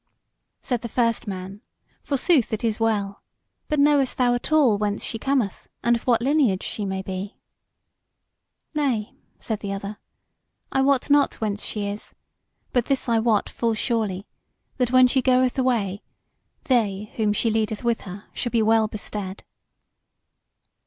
Said the first man: "Forsooth, it is well; but knowest thou at all whence she cometh, and of what lineage she may be?" "Nay," said the other, "I wot not whence she is; but this I wot full surely, that when she goeth away, they whom she leadeth with her shall be well bestead.